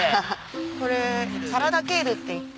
これサラダケールっていって。